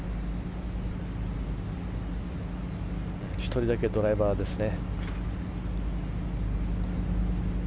１人だけドライバーですね。